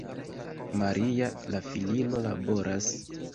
Maria, la filino, laboras.